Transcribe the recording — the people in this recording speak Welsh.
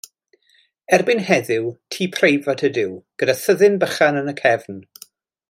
Erbyn heddiw, tŷ preifat ydyw, gyda thyddyn bychan yn y cefn.